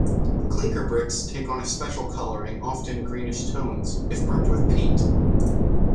Clinker bricks take on a special colouring, often greenish tones, if burnt with peat.